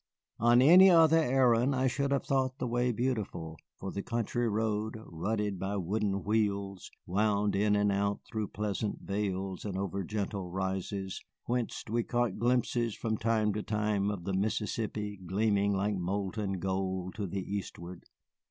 On any other errand I should have thought the way beautiful, for the country road, rutted by wooden wheels, wound in and out through pleasant vales and over gentle rises, whence we caught glimpses from time to time of the Mississippi gleaming like molten gold to the eastward.